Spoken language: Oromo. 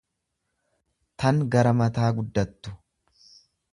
tan gara mataa guddattu.